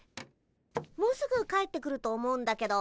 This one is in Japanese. もうすぐ帰ってくると思うんだけど。